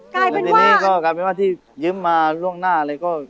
กลายเป็นว่าแล้วทีนี้ก็กลายเป็นว่าที่ยืมมาล่วงหน้าอะไรก็